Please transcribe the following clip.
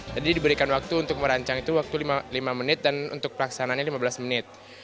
jadi diberikan waktu untuk merancang itu waktu lima menit dan untuk pelaksanannya lima belas menit